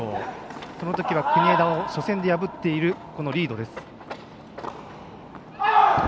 そのときは国枝を初戦で破っているリード。